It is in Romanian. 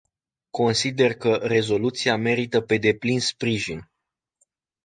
Consider că rezoluția merită pe deplin sprijin.